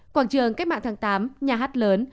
quảng trường cách mạng tháng tám nhà hát lớn